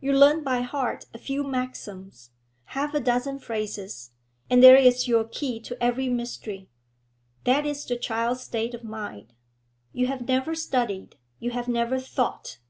You learn by heart a few maxims, half a dozen phrases, and there is your key to every mystery. That is the child's state of mind. You have never studied, you have never thought.